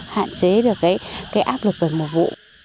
hạn chế được cái áp lực của mùa vụ